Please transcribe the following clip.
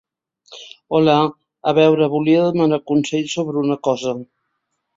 Hola, a veure, volia demanar consell sobre una una cosa.